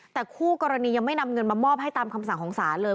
แต่คู่กรณียังไม่นำเงินมามอบให้ตามคำสั่งของศาลเลย